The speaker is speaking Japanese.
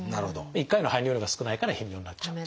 １回の排尿量が少ないから頻尿になっちゃう。